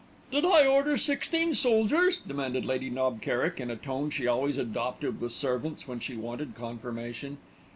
"Did I order sixteen soldiers?" demanded Lady Knob Kerrick in a tone she always adopted with servants when she wanted confirmation.